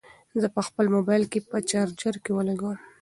زه به خپل موبایل په چارجر کې ولګوم.